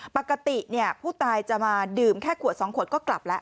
ปกติผู้ตายจะมาดื่มแค่ขวด๒ขวดก็กลับแล้ว